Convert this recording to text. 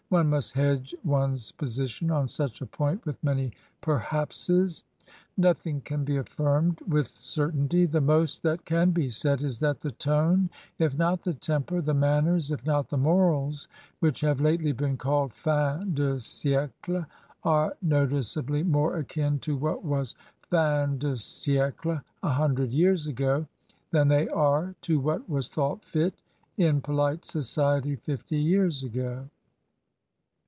One must hedge one's position on such a point with many perhapses; nothing can be affirmed with certainty; the most that can be said is that the tone if not the temper, the man ners if not the morals, which have lately been called fin de siMe, are noticeably more akin to what was fin de siicle a hundred years ago, than they are to what was thought fit in polite society fifty years ago.